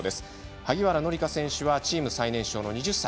萩原紀佳選手はチーム最年少の２０歳。